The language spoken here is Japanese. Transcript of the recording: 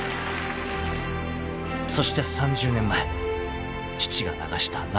［そして３０年前父が流した涙］